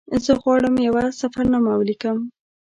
زه غواړم یوه سفرنامه ولیکم.